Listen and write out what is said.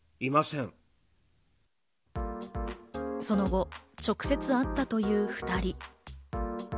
その後、直接会ったという２人。